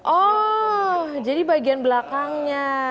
oh jadi bagian belakangnya